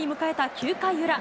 ９回裏。